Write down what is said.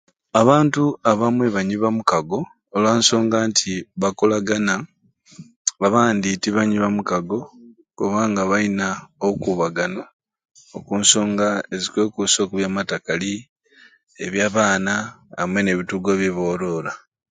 Abantu abamwei banywi bamukago olwa nsonga nti bakolagana, abandi tibanywi bamukago kubanga bayina obukubagano okunsonga ezikwekusa okubya matakali, ebya abaana amwei n'ebitugwa byebooroora